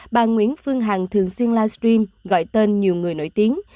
bà nguyễn phương hằng thường xuyên livestream gọi tên nhiều người nổi tiếng